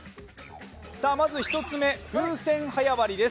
まず１つ目、風船早割りです。